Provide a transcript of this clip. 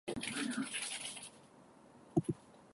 I en quina etapa es va estendre?